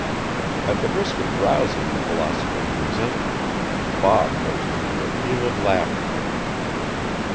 At the risk of rousing the philosopher's resentment, Bob burst into a peal of laughter.